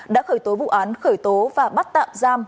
đã khởi tố vụ án khởi tố và bắt tạm giam